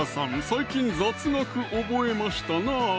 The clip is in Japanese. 最近雑学覚えましたなぁ